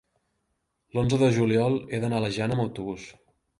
L'onze de juliol he d'anar a la Jana amb autobús.